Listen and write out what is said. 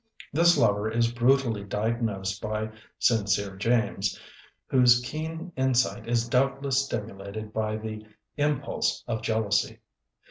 This lover is brutally diagnosed by Sincere James, whose keen insight is doubtless stimulated by the impulse of jealousy.